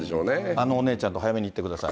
あのお姉ちゃんと早めに行ってください。